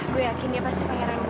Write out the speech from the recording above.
gue yakin dia pasti pengiran gue